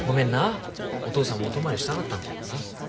お父さんもお泊まりしたかったんだけどな。